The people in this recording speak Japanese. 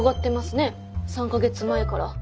３か月前から。